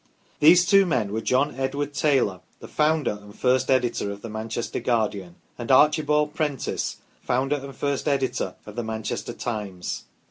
These two men were John Edward Taylor, the founder and first editor of the " Manchester Guardian," and Archibald Prentice, founder and first editor of the " Manchester Times